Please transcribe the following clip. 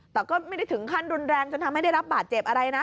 แต่ก็ไม่ได้ถึงขั้นรุนแรงจนทำให้ได้รับบาดเจ็บอะไรนะ